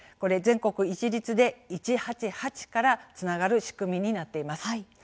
全国一律で１８８からつながる仕組みになっています。